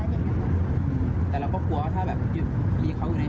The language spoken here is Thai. เพราะว่าชั่วโมงที่เขาควบคุมอารมณ์ไม่ได้